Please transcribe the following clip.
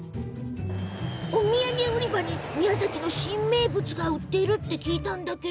お土産売り場に、宮崎の新名物が売っているって聞いたの。